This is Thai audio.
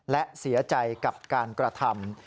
และเสียใจกับการกระทำ